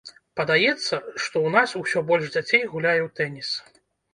Падаецца, што ў нас усё больш дзяцей гуляе ў тэніс.